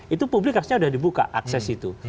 itu publik harusnya sudah dibuka akses itu